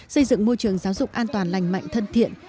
xây dựng môi trường giáo dục an toàn lành mạnh thân thiện